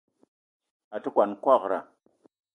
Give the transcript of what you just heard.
A te kwuan kwagra.